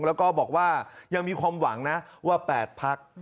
แล้วก็บอกว่ายังมีความหวังนะว่า๘พัก